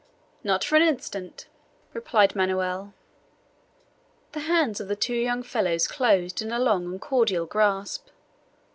"Not for an instant," replied Manoel. The hands of the two young fellows closed in a long and cordial grasp.